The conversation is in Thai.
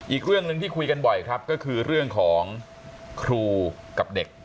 อีกเรื่องหนึ่งที่คุยกันบ่อยครับก็คือเรื่องของครูกับเด็ก